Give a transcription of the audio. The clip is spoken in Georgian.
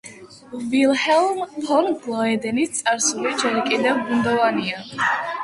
ვილჰელმ ფონ გლოედენის წარსული ჯერ კიდევ ბუნდოვანია.